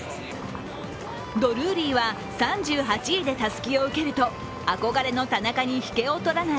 ドルーリーは３８位でたすきを受けると憧れの田中に引けをとらない